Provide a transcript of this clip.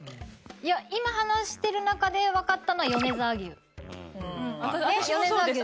今話してる中でわかったのは私もそうです。